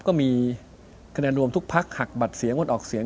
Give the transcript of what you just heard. ก็มีคะแนนรวมทุกพักหักบัตรเสียงงดออกเสียง